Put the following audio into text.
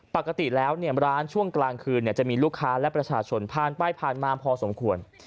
ปกติแล้วร้านช่วงกลางคืนจะมีลูกค้าและประชาชนผ่านไปผ่านมาพอสมควร